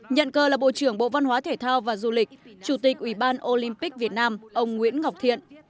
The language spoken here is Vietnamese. nhận cờ là bộ trưởng bộ văn hóa thể thao và du lịch chủ tịch ủy ban olympic việt nam ông nguyễn ngọc thiện